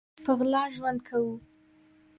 په غلا ژوند کوو